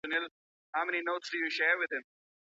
زه په ټينګار وايم.